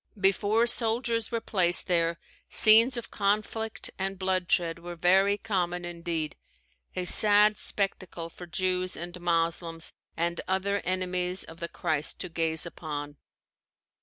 Before soldiers were placed there, scenes of conflict and bloodshed were very common indeed a sad spectacle for Jews and Moslems and other enemies of the Christ to gaze upon.